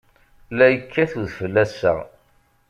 La yekkat udfel ass-a.